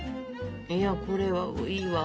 いやこれはいいわ。